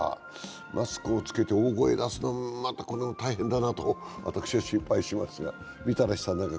マスクを着けて大声を出すのは、これも大変だなと私は心配しますが。